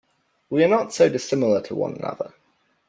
We are not so dissimilar to one another.